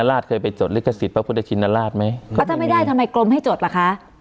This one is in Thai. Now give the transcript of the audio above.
อาจจะไม่ได้ทำไมกลมให้จดแหละคะ